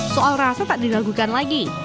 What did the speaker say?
soal rasa tak diragukan lagi